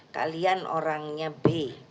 kalian orangnya b